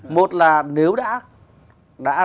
một là nếu đã